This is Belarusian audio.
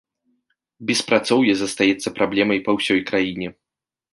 Беспрацоўе застаецца праблемай па ўсёй краіне.